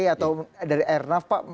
atau dari ernaf